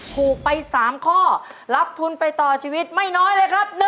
ถูกไป๓ข้อรับทุนไปต่อชีวิตไม่น้อยเลยครับ